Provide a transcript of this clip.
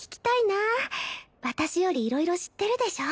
私よりいろいろ知ってるでしょ？